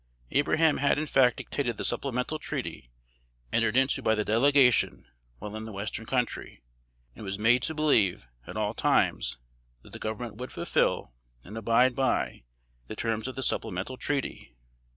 Abraham had in fact dictated the supplemental treaty, entered into by the delegation while in the Western Country, and was made to believe, at all times, that the Government would fulfill, and abide by, the terms of this supplemental treaty.